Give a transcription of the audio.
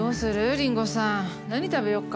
りんごさん何食べよっか？